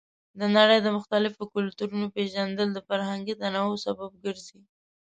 د نړۍ د مختلفو کلتورونو پیژندل د فرهنګي تنوع سبب ګرځي.